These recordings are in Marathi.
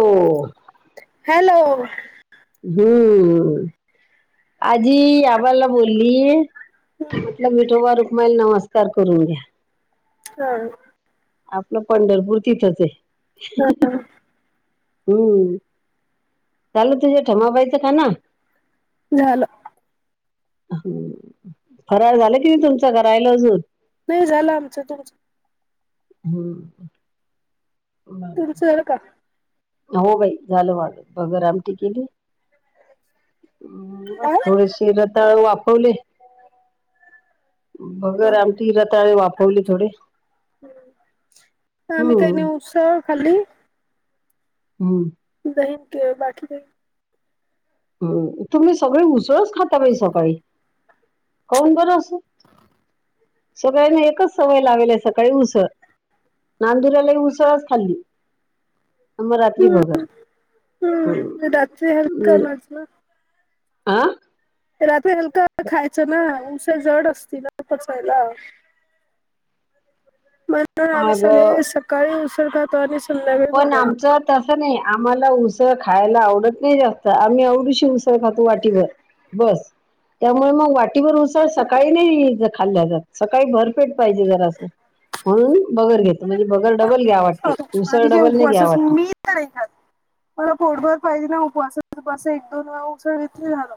हो. हॅलो. हम्म. आजी आबाला बोली. हा म्हटलं विठोबा रुक्माईल नमस्कार करून घ्या. हम्. आपलं पंढरपूर तिथंच ये. हम्म. झालं तुझ्या ठमाबायचं खाना. झालं. हं फराळ झालं की नाही तुमच की राहिल अजून. नाही झालं आमचं तुमचं. हम्म. बरं. तुमचं झालं का. हो बाई झालं माझ मगर आमटी केली मग आ थोडी शी. ते रताळ वाफवले. भगर आमटी रताळे वाफवले थोडे. आम्ही काही नाई हम्म उसळ खाली. हम. [unintelligible] हम् तुम्ही सगळे उसळच खाता बाई सकाळी काउन बर असं. सगळ्यांनी एकच सवय लावेलीय सकाळी उसळ. नांदुला लय उसळच खाल्ली. मग रात्री हम्म भगर ह हम्म रात्री हलका हम्. ना आं. रात्री हलंक खायचं ना उस उसळ जड असती ना पचायला मग. म्हणताना आम्ही अग सगळेजण सकाळी उसळ खातो. आणि सं पण आमचं. तसं नाही आम्हाला उसळ खायला आवडत नाही. जास्त आम्ही एवडीशी उसळ खातो वाटीभर. बस. त्यामुळें मग वाटीभर उसळ सकाळी नाही खाल्ल्या जात. सकाळी भर पेठ पाहिजे जरासं म्हणून भगर घेतो म्हणजे भगर डबल घ्या. वाटी उस आम्ही काही उपवासच मी नाही खातं. मला पोटभर पाहिजे ना उपवासाला असं एक दोन वेळा उसळ हेच नाही झालं.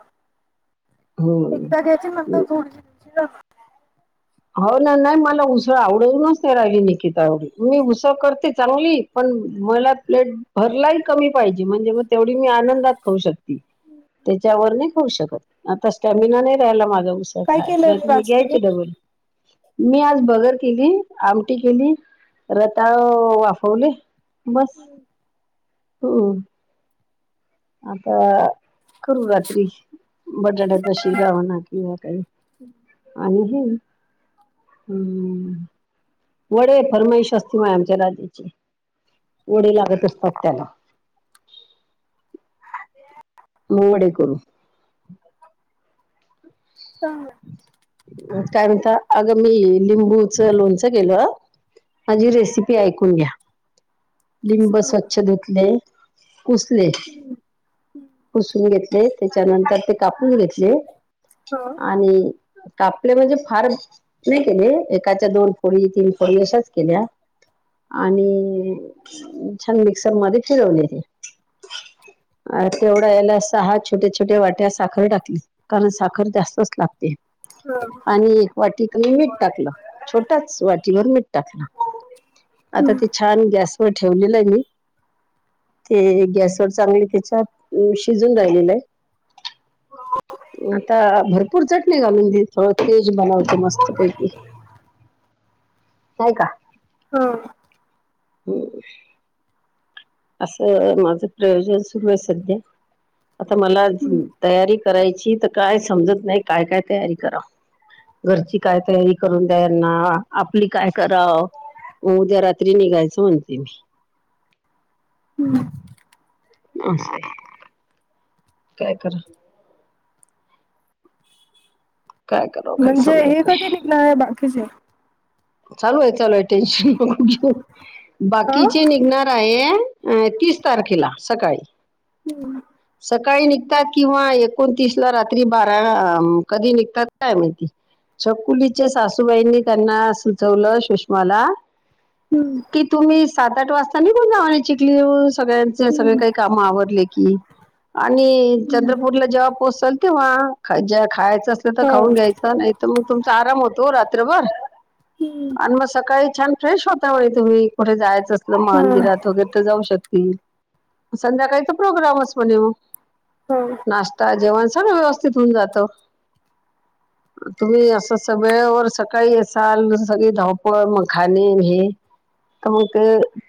एकदा हम्म घ्यायची नंतर [unintelligible] हो ना नाय मला उसळं आवडूनच नाय राहिली. निकिता येवढी मी उसळ करते चांगली. पण मला प्लेट भरलाही कमी पाहिजे. म्हणजे मग तेवढी मी आनंदात खाऊ शकते. त्यांच्यावर नाही खाऊ शकत. आता स्टॅमिना नाही राहायला माझा उसळ काय खायचा केलंय नाही मग मी आज तुम्ही घ्यायचे डबल. मी आज बगर केली आमटी केली रताळ वाफवले. बस अं.. आता करु रात्री बटाड्याचा शिरा म्हणा किंवा काही. आणि हे हम्. वडे फरमाईश असते मा आमच्या राजाची वडे लागत असतात त्याला. मग वडे करू. चांग काय म्हणता. अगं मी लिंबूचं लोणचं केलं. माझी रेसिपी ऐकून घ्या. लिंब स्वच्छ धुतले. पुसले पुसून घेतले तेच्यानंतर ते कापून घेतले. हं. अं कापले म्हणजे फार. नाही केले. एकाच्या दोन फोडी तीन फोडी अशाच केल्या. आणि छान मिक्सरमध्ये फिरवले तेे. अ तेवढ्या याला सहा छोट्या छोट्या वाट्या साखर टाकली. कारण साखर जास्त अस लागते. आणि एक वाटी कणी मीठ टाकलं छोटाच वाटीभर मीठ टाकलं. आता हम्म ते छान गॅसवर ठेवलेलं आहे मी. ते गॅसवर चांगले त्याच्यात शिजून राहिलेलं हाय. आता भरप पूर चटणी घालून दे थोडं तेज बनवते मस्तपैकी. हाय कां. ह. हम. असं माझं प्रयोजन सुरू आहे. सध्या आता मला तयारी. करायची तर काय समजत नाही काय काय तयारी करावं. घरची काय तयारी करून द्या यांना आपली काय कराव. मग उद्या रात्री निघायचं म्हणते मी. हम्म आसंय. काय करा. काय करावं काही म्हणजे समजत हे नाही कधी निघणार आहेत बाकीचे. चालू ये चालू ये टेन्शन नको घेऊ अ बाकीचे निघणार आहे. अ तीस तारखेला सकाळी. [unintelligible] सकाळी निघतात किंवा एकोणतीस ला रात्री बारा कधी निघतात काय माहीती. छकुलीच्या सासूबाईंनी त्यांना सुचवलं सुष्माला हम्म. कि तुम्ही सात आठ वाजता निघून जा आणि चिखली यो सगळ्यांचे सगळे काही काम आवरले की. आणि चंद्रपूरला पोहोचाल तेव्हा ख ज खायचं असेल तर खाऊन घ्यायचं नाही तर मग तुमचा आराम होतो रात्रभर हम्म. आणि म सकाळी छान फ्रेश होता वय तुम्ही कुठे जायचं असलं मंदिरात वगैरे ठं जाऊ शकतील संध्याकाळीच प्रोग्रामच म्हणे म. होय. नाश्ता जेवण सगळं व्यवस्थित होऊन जातं. तुम्ही असं स वेळेवर सकाळी असाल सगळी धावपळ मखाने न हे तर म ते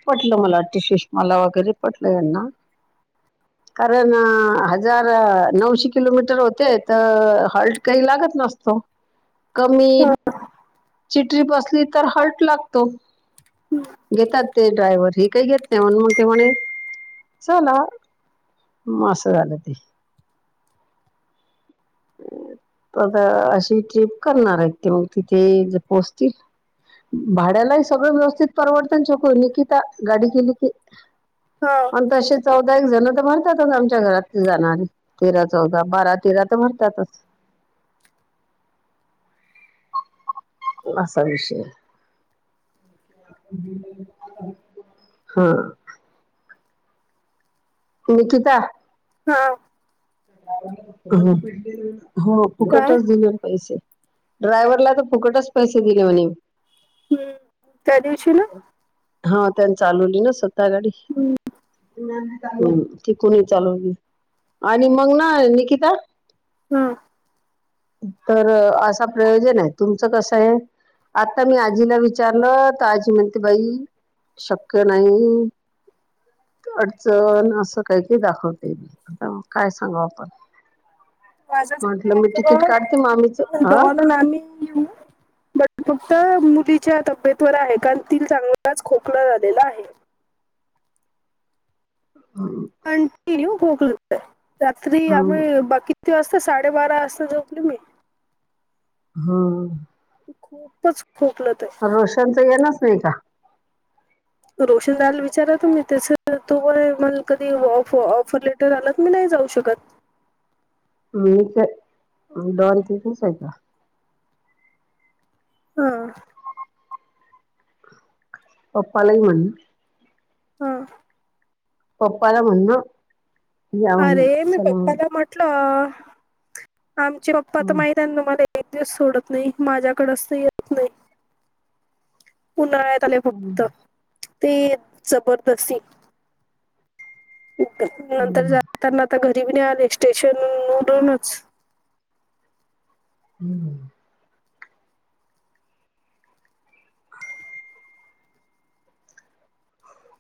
पटलं मला वाटतं सुष्माला वगैरे पटलं यांना. कारण हजार नऊशे किलोमीटर होते तर हौल्ट काही लागत नसतो. कमी ची ट्रीप असली तर हल्ट लागतो. हम्म. घेतात ते ड्रायव्हर हे काही घेत नाही म्हणून मग ते म्हणे चला. म असं झालं ते. तर आता अशी ट्रिप करणार आहेत ते मग तिथे पोहोचतील. भाड्यालाही सगळं व्यवस्थित परवर्तन शकू निकिता गाडी केली की. हा. पण तशे चौदा एक जण तर भरतातच आमच्या घरात जाणारे तेरा चौदा बारा तेरा तर भर त्यातच असा विषय आहे. हा. निकिता हा. हा हो काय फुकटच दिले पैसे. ड्रायव्हरला तर फुकटच पैसे दिले म्हणे. हम्म त्या दिवशी ना. हा त्यान चालवली ना स्वतः गाडी. हम्म ती कोणी चालवली? आणि मग ना निकिता हा. तर असा प्रयोजन आहे तुमचं कसा हे? आत्ता मी आजींला विचारलं तर आजी म्हणते बाई शकय नाही अडचण असं काय ते दाखवते. [unintelligible] काय सांगू आपण माझं म्हटलं मी तिकीट काढते मामींचं हा. मामी [inaudible] बट फक्त मुलीच्या तब्येतवर आहे कारण तिला चांगलाच खोकला झालेला आहे. हम. [unintelligible] रात्री हम्म आम्ही बाकी किती वाजता साडेबारा वाजता झोपले मी. हा. ती खुपचं खोकलते. रोशन तर येणारच नाही का. तो रोशन दादाला विचारलं तुम्ही त्याचं तो म्हणेल मला, कधी ऑफ ऑफर लेटर आल नाही मी जावू शकत. [unintelligible] हा. पप्पाला ही म्हण. आ. पप्पाला म्हण ना. अरे मी पप्पाला म्हटलं आमचे पप्पा तर हम्म माहित आहे ना तुम्हाले. एक दिवस सोडत नाही. माझ्याकडेच तर येत नाहीत उन्हाळ्यात त्याने हम्म फक्त ते जबरदस्ती. ओके. नंतर हम्म जात काना आता घरी भी नाय आले स्टेशन मधूनच. हम.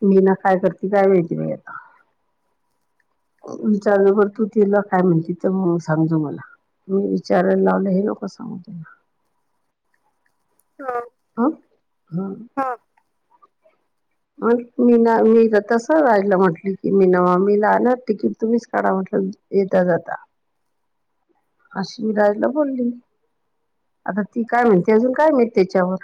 मीना काय करती काय माहिती बाई आता. विचारून करतो तिला काय म्हणती तेव्हा मग सांगतो तुम्हाला. मी विचारायला लावले हे नको सांगू तिला. हां. आं हां. [inaudible] मग मीना मी तसं राहिलं म्हटली की मीना मामीला आल्यावर तिकीट तुम्हीच काढा म्हटलं. येता जाता अशी राजला बोली. आता ती काय म्हणते, अजून काय माहित तेच्यावर.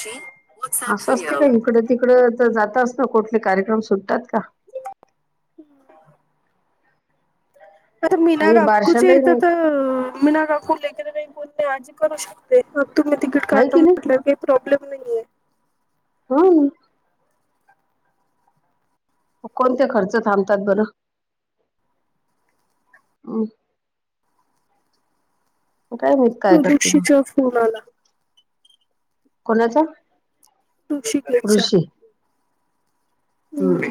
शी व्हाट्सअप व्हिडिओ. तिकडे चं जात असतं. कुठलं कार्यक्रम सुटतात का. आत्ता मीना आणि काकूच्या बारशालाही इथं नाही तर. मीना काकू लेकरं म्हणती आजी करू शकते. मग तुम्ही तिकीट आहे काढतो की नाही म्हटले काय. प्रॉब्लेम नाहीये. हा. कोणते खर्च थांबतात बर अमं.. मग काय माहित. काय करते मग प्रदुषीचा फोन आला. कोणाचा. तू शिकलेत शा. ऋषी हम्म.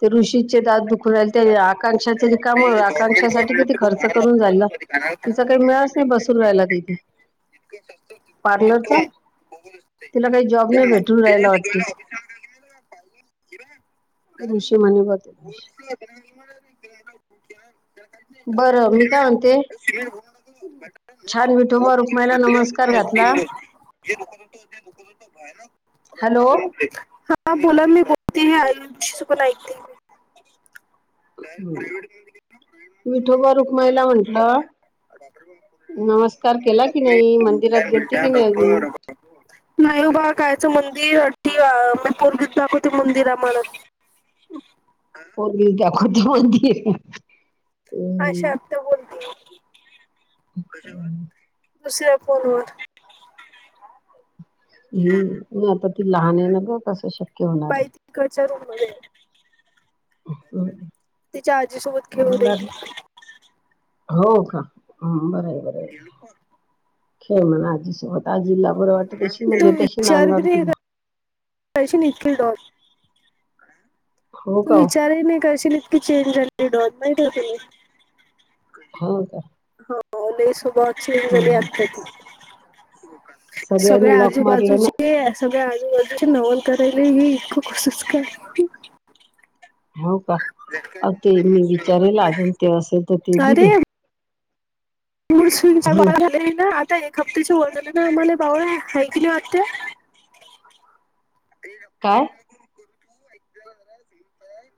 ते ऋषीचे दात दुख दुखू राहिल. ते आकांक्षाचे रिकाम आकांक्षासाठी किती खर्च करून झालं. तिचा काय मैळच नाही बसू राहिला तिथे पार्लरचा. तिला काय जॉब नाही भेटू राहायला वाटते. ऋषी म्हणे बा ते. बरं मी काय म्हणते. छान विठोबा रुक्माईला नमस्कार घातला [unintelligible] हॅलो [unintelligible] [unintelligible] [unintelligible] विठोबा रुक्माईला म्हंटलं नमस्कार केला कि नाही मं दिरात रात गेलते की नाही अजून? नाही उबा कायचं मंदिरी अठी वा मी पोरगीत दाखवते मंदिरा म्हणा. पोरगी दाखवते मंदिर. हम्म अशा आत्या बोलती दुसऱ्या फोनवर. [inaudible] हम्म नाही आता ती लहान आहे ना गं कसं शक्य होणार आहे. कडच्या रूममध्ये आहे. आहे तिच्या आजी सोबत खेळू मला दे वाटलं की. हो का हम्म बरं आहे बरं आहे खेळ म्हणा आजी सोबत आजीला बरं वाटतं तशी ना घे तू तशी ना अंगावर तिला पैशी नी इतकी. [unintelligible] हो तू का हो विचार ही नाही करशील इतकी चेंज झालेली डॉट माहितिय की नाही. हो का. हो नाही सुभाव चेंज झाली हम्म आत्याची. सगळ्या सगळ्यांनी लॉक मारले ना आजूबाजूचे अस सगळ्या आजूबाजूचे नवल करायला हे इतकं कसंच काय हो का अते मी विचारेल अजून ते असेल तर ते बी अरे दे. हम्म [unintelligible] [inaudible] काय [inaudible] [inaudible]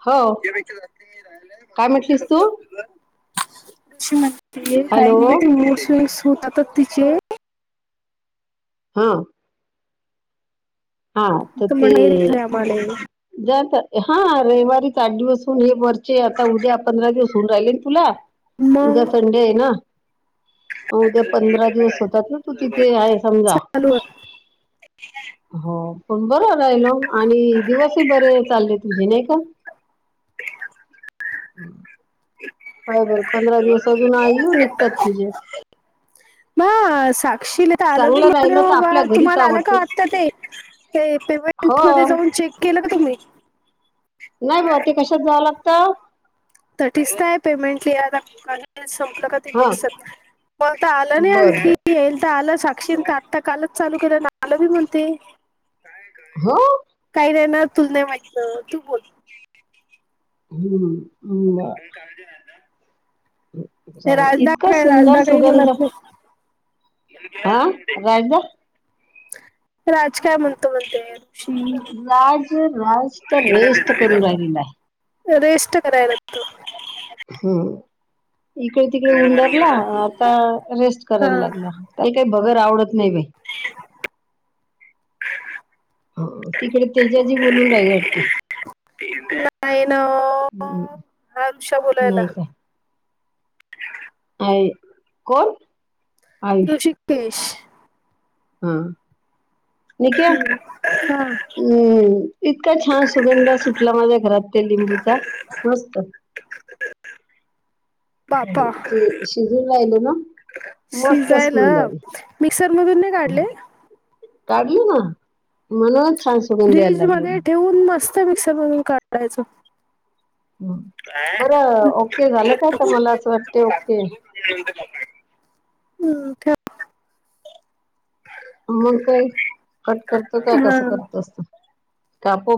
हो काय म्हटलीस तू ते काय हॅलो नाय ते मूड स्विंग्स होतात तिचे. हांव. हा तर ते म्हणे रे आम्हाला जाता हा रविवारीच आठ दिवस होन एक वर चे आता उद्या पंधरा दिवस होऊन राहिले ना तुला उद्या मग संडे आहे ना. म उद्या पंधरा दिवस होतात ना तू तिथे आहे समजा. [unintelligible] हो पण बरं राहिलोन आणि दिवसही बरे चालले तुझे नाही का. काय बरं पंधरा दिवस अजून आईऊ निघता तुझे. ना साक्षीला तर आले बी चांगलं [unintelligible] राहिलं तर आपल्या घरीच तुम्हाला आलं आवडते का वाटतं ते? हे पेमेंट मध्ये हो जाऊन चेक केलं का तुम्ही? नाही बा ते कशात जाया लागतं? तठीच तर आहे पेमेंट लिहेला [unintelligible] संपलं का हा [unintelligible] मंग त्या आलं नाही बर आणखी बर येईल तर आलं साक्षिण आत्ता कालच चालू केलं मला बी म्हणते. हो. काही रेने ना तुलने म्हणतं तू बोल. हम्म उम्म बा [unintelligible] चांगलं राजदा इतका काय सुंदर काही बोलत नाही. [unintelligible] आं राजदा राज काय म्हणतो म्हणते. ऋषी राज राज तर रेस्त करून राहिलेला आहे. रेष्ट कराय लागतो. हम्म इकडे तिकडे उंडारला आता रेस्ट हा करायला लागला. काही काही बगर आवडत नाही बाई. हं. तिकडे तेजाजी बोलून राहिले वाटते. नाही ना ह हा ऋषा बोलायला. नाही काय. आहे कोण. ऋषिकेश. हं. हम्म. हम्म. इतका छान सुगंध सुटला माझ्या घरात त्या लिंबूचा. मस्त. हो बापा ते शिजून राहिलं ना. मस्त शिजायला स्मेल आली मिक्सर मधून नाही काढले. काढल ना. म्हणूनच छान सुगंध यायला फ्रीज लागला मध्ये ना ठेवून मस्त मिक्सर मधून काढायचं. बरं ओके झालं काय तर मला असं वाटते ओके. हम्म ख मग काही कट करतो का कसं हा करतोस तु कापू